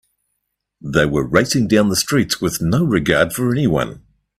They were racing down the streets with no regard for anyone.